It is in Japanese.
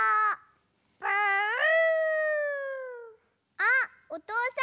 あっおとうさんぞうだ！